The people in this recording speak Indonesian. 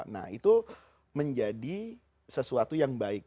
nah itu menjadi sesuatu yang baik